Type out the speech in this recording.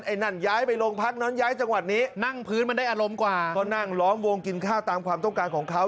ไอ้น้อยนั้นย้ายจังหวัดนี้มันก็นั่งร้องวงกินค่าตามความต้องการของเขา